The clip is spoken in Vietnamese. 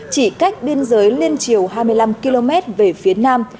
chỉ cách biên giới liên triều hai mươi năm km về phía nam